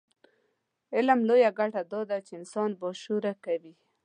علم لویه ګټه دا ده چې انسان باشعوره کوي.